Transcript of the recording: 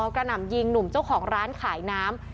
หน่ำยิงหนุ่มเจ้าของร้านขายน้ำ